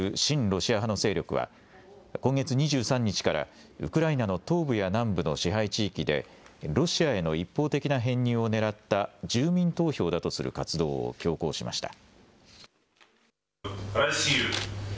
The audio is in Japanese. ロシア派の勢力は、今月２３日からウクライナの東部や南部の支配地域でロシアへの一方的な編入を狙った住民投票だとする活動を強行しました。